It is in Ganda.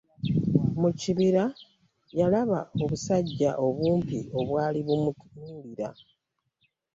Mukibira yalaba obusajja obumpi obwali bumutunuulira.